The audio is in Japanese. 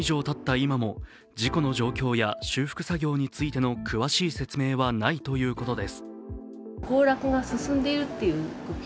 今も事故の状況や修復作業についての詳しい説明はないということです。